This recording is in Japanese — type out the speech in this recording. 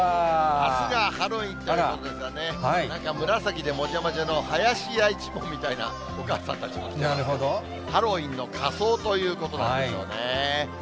あすがハロウィーンということですが、なんか紫でもじゃもじゃの林家一門みたいなお母さんたちも来て、ハロウィーンの仮装ということなんでしょうね。